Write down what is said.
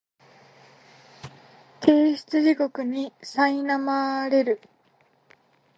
提出地獄にさいなまれる